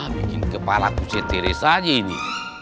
bikin kepala gue setiris aja ini